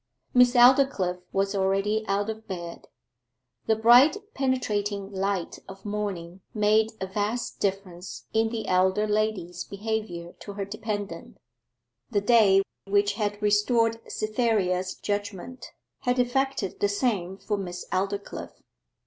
Miss Aldclyffe was already out of bed. The bright penetrating light of morning made a vast difference in the elder lady's behaviour to her dependent; the day, which had restored Cytherea's judgment, had effected the same for Miss Aldclyffe.